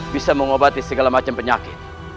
bisa mengobati segala macam penyakit